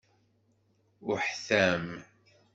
Uḥtam.